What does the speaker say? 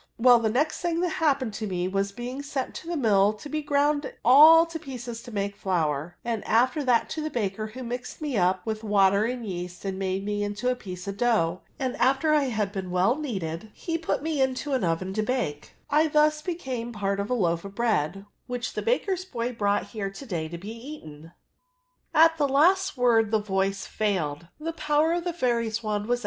Well, the next thing that happened to me was being sent to the null to be ground all to pieces to make flour ; and after that to the baker, who mized me up with water and yeast, and made me iixto a piece of dough, and after I had been weU kneaded, he put me into an oven to bake, I thus became part of a loaf of bread, which the baker's boy brought here to day to bQ eaten.*' no OP INTERJECTIONS.